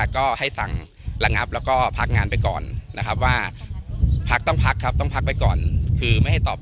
ใช่ใช่อันนั้นคือ